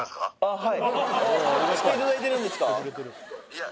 ☎はい☎